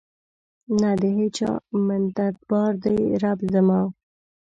نه د هیچا منتبار دی رب زما